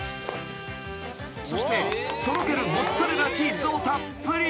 ［そしてとろけるモッツァレラチーズをたっぷり］